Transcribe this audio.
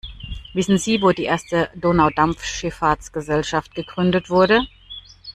Wissen Sie, wo die erste Donaudampfschiffahrtsgesellschaft gegründet wurde?